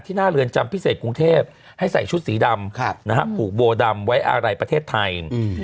หน้าเรือนจำพิเศษกรุงเทพให้ใส่ชุดสีดำผูกโบดำไว้อะไรประเทศไทย